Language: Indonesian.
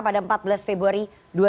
pada empat belas februari